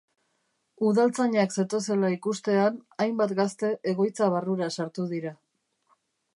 Udaltzainak zetozela ikustean, hainbat gazte egoitza barrura sartu dira.